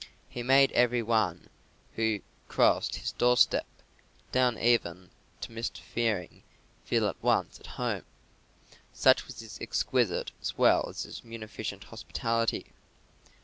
He made every one who crossed his doorstep, down even to Mr. Fearing, feel at once at home, such was his exquisite as well as his munificent hospitality.